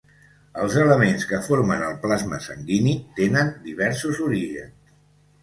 Els elements que formen el plasma sanguini tenen diversos orígens.